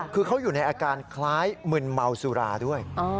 คือเขาอยู่ในอาการคล้ายมึนเมาสุราด้วย